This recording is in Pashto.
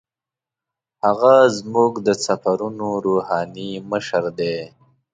هغه زموږ د سفرونو روحاني مشر دی.